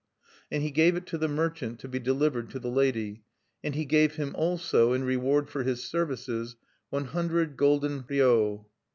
And he gave it to the merchant to be delivered to the lady; and he gave him also, in reward for his services, one hundred golden ryo.